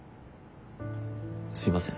すいません。